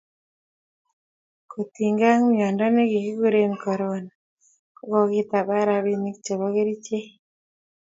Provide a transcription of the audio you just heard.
Kotinge mwiondo nekikuren conora ko kokitaban rapini chepo kerichek